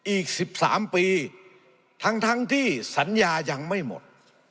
อีกสิบสามปีทั้งทั้งที่สัญญายังไม่หมด